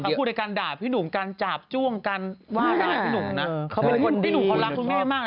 เขาเป็นคนดีพี่หนุ่มเขารักคุณแน่มากนะรู้สึก